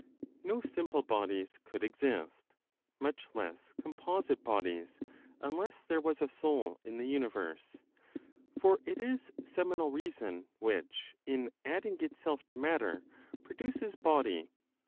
No simple bodies could exist, much less composite bodies, unless there was a soul in the universe; for it is (seminal) reason which, in, adding itself to matter, produces body.